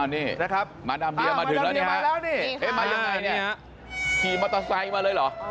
นี่ครับมาดำเบียนมาถึงแล้วนี่ครับมายังไงนี่ครับขี่มอเตอร์ไซค์มาเลยหรือ